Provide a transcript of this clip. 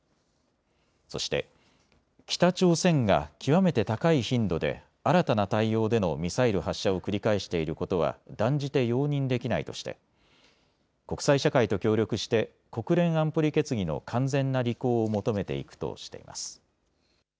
そして北朝鮮が極めて高い頻度で新たな態様でのミサイル発射を繰り返していることは断じて容認できないとして国際社会と協力して国連安保理決議の完全な履行を求めていくとしています。